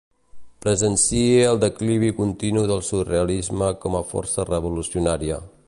Presencie el declivi continu del surrealisme com a força revolucionària.